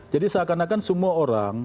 jadi seakan akan semua orang